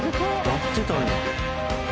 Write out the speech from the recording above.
「やってたんや」